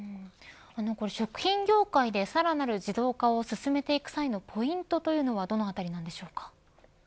食品業界でさらなる自動化を進める際のポイントというのはどのあたりでしょうか。